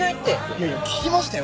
いやいや聞きましたよ。